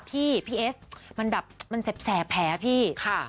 พี่พี่เอสมันแบบมันแสบแผลพี่